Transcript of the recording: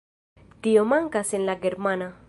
Tio mankas en la germana.